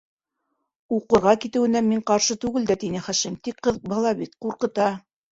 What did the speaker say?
Уҡырға китеүенә мин ҡаршы түгел дә, - тине Хашим, - тик ҡыҙ бала бит: ҡурҡыта.